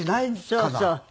そうそう。